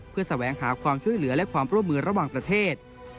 เพื่อแสวงหาความช่วยเหลือและความร่วมมือระหว่างประเทศ